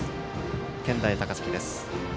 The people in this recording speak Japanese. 健大高崎です。